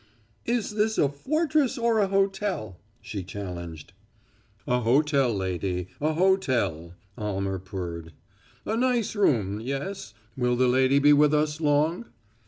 "Is this a fortress or a hotel?" she challenged. "A hotel, lady, a hotel," Almer purred. "A nice room yes. Will the lady be with us long?"